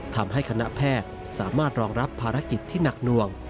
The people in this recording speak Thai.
ทำให้คณะแพทย์สามารถรองรับภารกิจที่หนักหน่วง